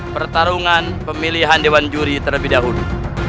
pertarungan pemilihan dewan juri terlebih dahulu